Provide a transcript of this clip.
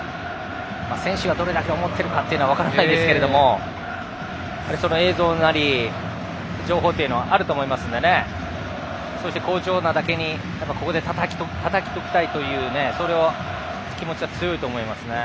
選手がどれだけ思っているか分からないですけどその映像なり、情報はあると思うので好調なだけに、ここでたたいておきたいという気持ちは強いと思います。